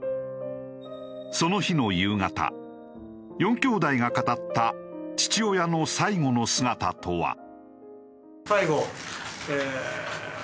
その日の夕方四兄弟が語った父親の最後の姿とは。